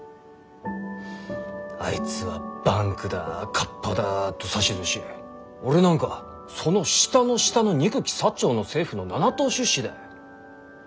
あいつはバンクだカッパだと指図し俺なんかその下の下の憎き長の政府の７等出仕だい。